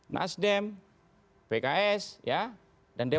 pilih beberapa ada ini